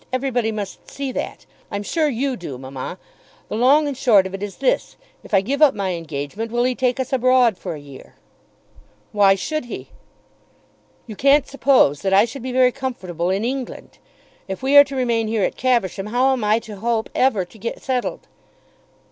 Everybody must see that. I'm sure you do, mamma. The long and the short of it is this; if I give up my engagement, will he take us abroad for a year?" "Why should he?" "You can't suppose that I should be very comfortable in England. If we are to remain here at Caversham, how am I to hope ever to get settled?"